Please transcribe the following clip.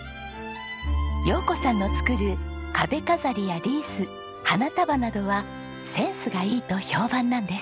陽子さんの作る壁飾りやリース花束などはセンスがいいと評判なんです。